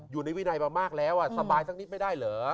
อยู่ในวินัยมามากแล้วสบายสักนิดไม่ได้เหรอ